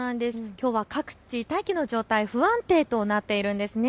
きょうは各地、大気の状態、不安定となっているんです。